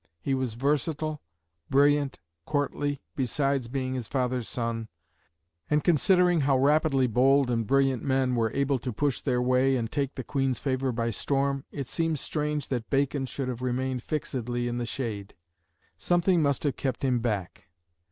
He was versatile, brilliant, courtly, besides being his father's son; and considering how rapidly bold and brilliant men were able to push their way and take the Queen's favour by storm, it seems strange that Bacon should have remained fixedly in the shade. Something must have kept him back.